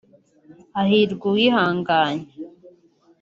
Hahirwa uwihanganye